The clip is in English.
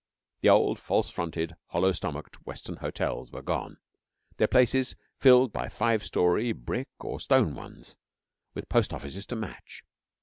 The old, false fronted, hollow stomached Western hotels were gone; their places filled by five storey brick or stone ones, with Post Offices to match.